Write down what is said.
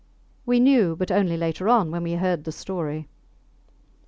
We knew, but only later on, when we had heard the story.